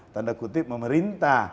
tanda kutip memerintah